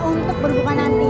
untuk berbuka nanti